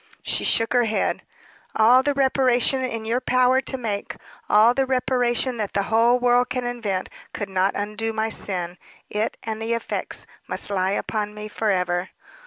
She shook her head. "All the reparation in your power to make all the reparation that the whole world can invent could not undo my sin. It and the effects must lie upon me forever."